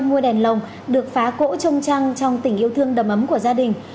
mua đèn lồng được phá cỗ trông trăng trong tỉnh yêu thương đầm ấm của gia đình